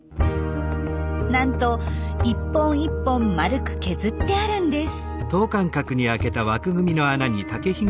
なんと一本一本丸く削ってあるんです。